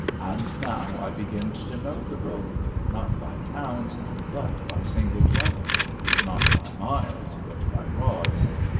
And now I begin to know the road, not by towns, but by single dwellings; not by miles, but by rods.